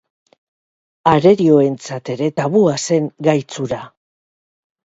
Arerioentzat ere tabua zen gaitz hura.